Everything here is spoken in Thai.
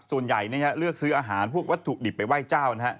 ส่วนใหญ่เลือกซื้ออาหารพวกว่าถูกดิบไปไหว้เจ้านะฮะ